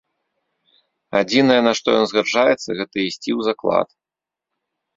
Адзінае, на што ён згаджаецца, гэта ісці ў заклад.